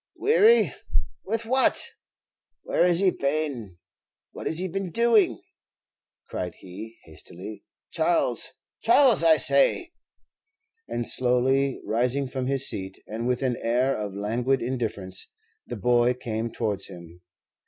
weary! with what? Where has he been; what has he been doing?" cried he, hastily. "Charles, Charles, I say!" And slowly rising from his seat, and with an air of languid indifference, the boy came towards him.